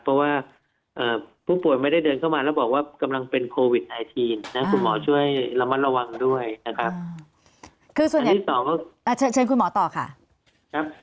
เพราะว่าผู้ป่วยไม่ได้เดินเข้ามาแล้วบอกว่ากำลังเป็นโควิด๑๙คุณหมอช่วยระมัดระวังด้วยนะครับ